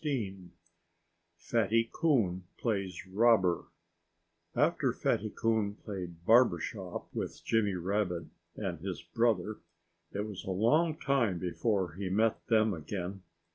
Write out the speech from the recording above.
XVI FATTY COON PLAYS ROBBER After Fatty Coon played barber shop with Jimmy Rabbit and his brother it was a long time before he met them again.